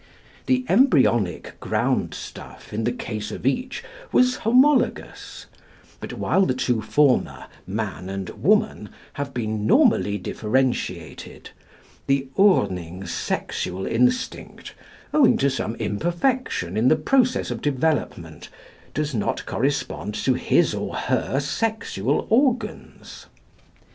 The embryonic ground stuff in the case of each was homologous; but while the two former, Man and Woman, have been normally differentiated, the Urning's sexual instinct, owing to some imperfection in the process of development, does not correspond to his or her sexual organs.